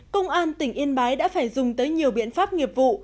công an tỉnh yên bái đã phải dùng tới nhiều biện pháp nghiệp vụ